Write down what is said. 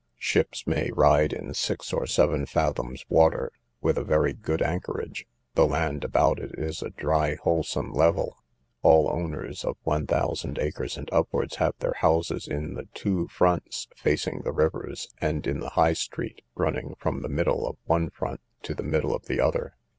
Ships may ride in six or seven fathoms water, with a very good anchorage; the land about it is a dry wholesome level. All owners of one thousand acres and upwards have their houses in the two fronts, facing the rivers, and in the High street, running from the middle of one front to the middle of the other.